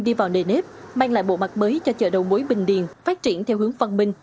đi vào nề nếp mang lại bộ mặt mới cho chợ đầu mối bình điền phát triển theo hướng văn minh